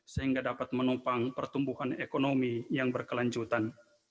sehingga dapat menopang pertumbuhan ekonomi yang berkelanjutan